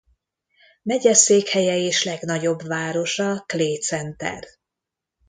Megyeszékhelye és legnagyobb városa Clay Center.